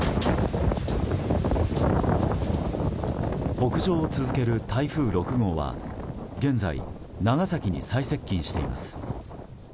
北上を続ける台風６号は現在、長崎に最接近しています。